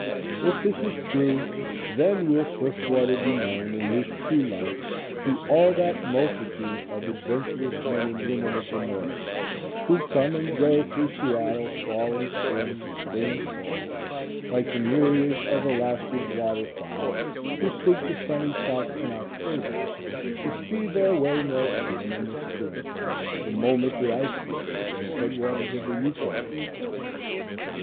If this is true, then will Swiftwater be known in his true light to all that multitude of adventurous men and women of the North, who come and go through Seattle, fall and spring, spring and fall, like the myriads of Alaska's water fowl who seek the sunny South in October, to speed their way north again in the spring, the moment the ice floes in the headwaters of the Yukon are gone.